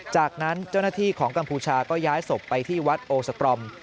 จากนั้นเจ้าหน้าที่ของกัมพูชาก็ย้ายศพไปที่วัดโอสตรอม